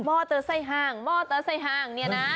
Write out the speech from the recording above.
มอเตอร์ไซห้างมอเตอร์ไซห้างเนี่ยนะ